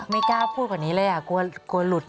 ไม่กล้าพูดกว่านี้เลยกลัวหลุด